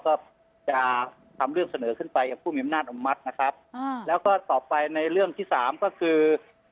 ก็จะทำเรื่องเสนอขึ้นไปกับผู้มีอำนาจอนุมัตินะครับอ่าแล้วก็ต่อไปในเรื่องที่สามก็คือ